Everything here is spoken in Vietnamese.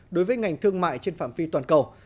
đối với ngành thương mại trên phạm vi toàn cầu